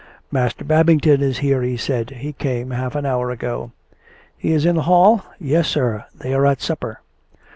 " Master Babington is here," he said. " He came half an hour ago." " He is in the hall? "" Yes, sir ; they are at supper."